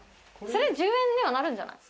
それ１０円にはなるんじゃない？